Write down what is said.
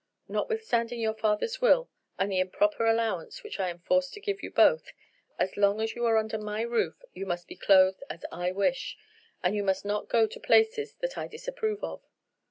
Notwithstanding your father's will, and the improper allowance which I am forced to give you both, as long as you are under my roof you must be clothed as I wish, and you must not go to places that I disapprove of.